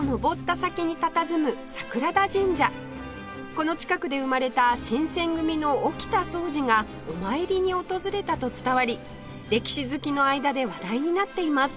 この近くで生まれた新選組の沖田総司がお参りに訪れたと伝わり歴史好きの間で話題になっています